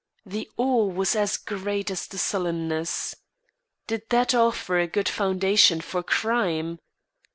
The awe was as great as the sullenness. Did that offer a good foundation for crime?